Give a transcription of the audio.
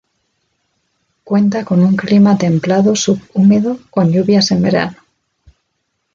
Cuenta con un clima templado subhúmedo con lluvias en verano.